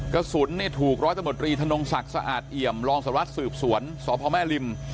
กระสุนถูกร้อยตำรวจรีธนงศักดิ์สะอาดเอี่ยมรองสารวัตรสืบสวนสพแม่ริม